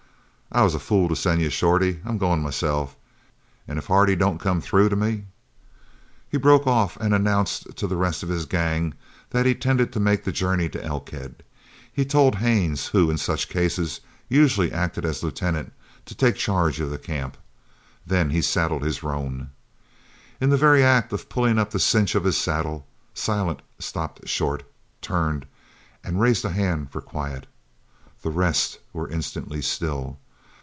"I was a fool to send you, Shorty. I'm goin' myself, an' if Hardy don't come through to me " He broke off and announced to the rest of his gang that he intended to make the journey to Elkhead. He told Haines, who in such cases usually acted as lieutenant, to take charge of the camp. Then he saddled his roan. In the very act of pulling up the cinch of his saddle, Silent stopped short, turned, and raised a hand for quiet. The rest were instantly still.